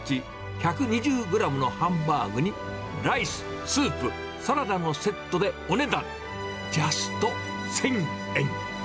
１２０グラムのハンバーグに、ライス、スープ、サラダのセットで、お値段、ジャスト１０００円。